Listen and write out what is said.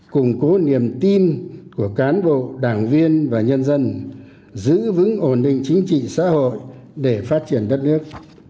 củng cố niềm tin của cán bộ đảng viên và nhân dân giữ vững ổn định chính trị xã hội để phát triển đất nước